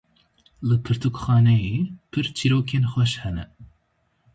Li pirtûkxaneyê pir çîrokên xweş hene.